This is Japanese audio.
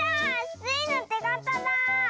スイのてがただ！